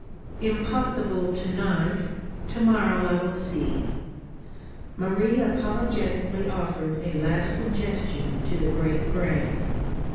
'Impossible, to night. To morrow I will see.' Marie apologetically offered a last suggestion to the great brain.